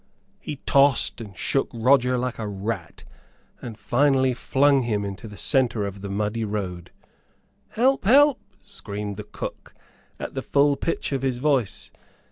He tossed and shook Roger like a rat, and finally flung him into the center of the muddy road. "Help! help!" screamed the cook, at the full pitch of his voice.